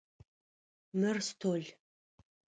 Мыр стол.